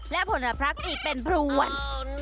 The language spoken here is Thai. และผลพลักษณ์อีกเป็นพรุ่น